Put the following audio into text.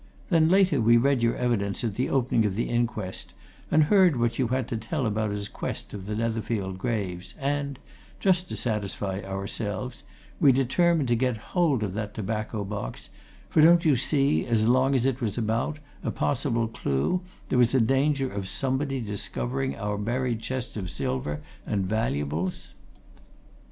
Then, later, we read your evidence at the opening of the inquest, and heard what you had to tell about his quest of the Netherfield graves, and just to satisfy ourselves we determined to get hold of that tobacco box, for, don't you see, as long as it was about, a possible clue, there was a danger of somebody discovering our buried chests of silver and valuables.